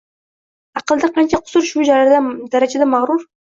Aqlda qancha qusur shu darajada magʻrur